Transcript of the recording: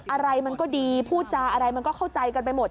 อะไรมันก็ดีพูดจาอะไรมันก็เข้าใจกันไปหมด